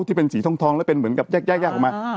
ที่เป็นสีทองแล้วเป็นเหมือนกับแยกออกมา